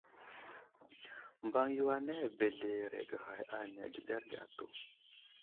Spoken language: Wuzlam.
Mbaŋ yo anay abəzləreege ghay áne adəɗerge atu.